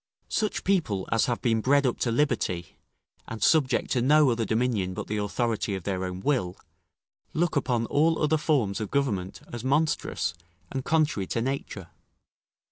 Such people as have been bred up to liberty, and subject to no other dominion but the authority of their own will, look upon all other form of government as monstrous and contrary to nature.